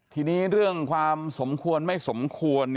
ทีนี้เรื่องความสมควรไม่สมควร